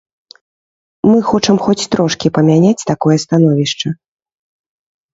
Мы хочам хоць трошкі памяняць такое становішча.